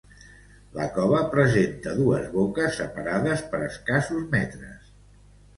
La cova presenta dos boques separades per escassos metres.